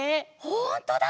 ほんとだ！